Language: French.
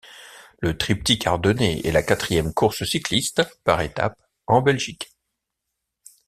Le Triptyque ardennais est la quatrième course cycliste par étapes en Belgique.